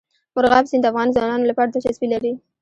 مورغاب سیند د افغان ځوانانو لپاره دلچسپي لري.